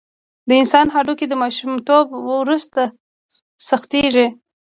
د انسان هډوکي د ماشومتوب وروسته سختېږي.